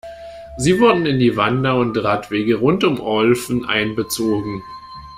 Sie wurden in die Wander- und Radwege rund um Olfen einbezogen.